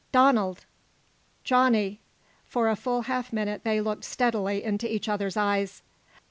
"Donald!" "Johnny!" For a full half minute they looked steadily into each other's eyes.